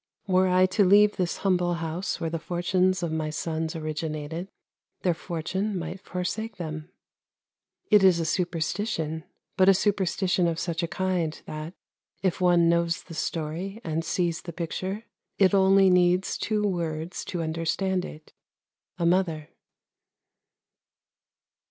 " Were I to leave this humble house where the fortunes of my sons originated, their fortune might forsake them." It is a superstition, but a superstition of such a kind that, if one knows the story and sees the picture, it only needs two words to understand it —" A Mother."